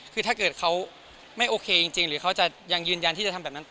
คือถ้าเกิดเขาไม่โอเคจริงหรือเขาจะยังยืนยันที่จะทำแบบนั้น